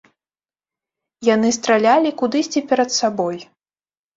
Яны стралялі кудысьці перад сабой.